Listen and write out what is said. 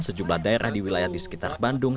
sejumlah daerah di wilayah di sekitar bandung